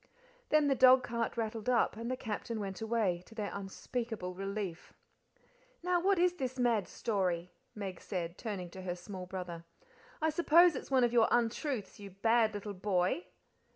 Then the dogcart rattled up; and the Captain went away, to their unspeakable relief. "Now what is this mad story?" Meg said, turning to her small brother. "I suppose it's one of your untruths, you bad little boy."